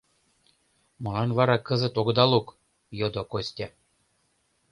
— Молан вара кызыт огыда лук? — йодо Костя.